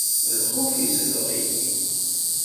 Lxuf izdeɣ-iyi.